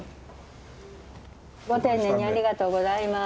ご丁寧にありがとうございます。